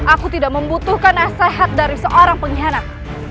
aku tidak membutuhkan nasihat dari seorang pengkhianat